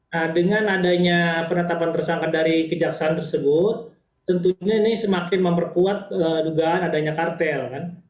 nah dengan adanya penetapan tersangka dari kejaksaan tersebut tentunya ini semakin memperkuat dugaan adanya kartel kan